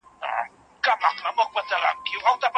ورور مې وویل چې په کلي کې پیاده تګ عیب دی.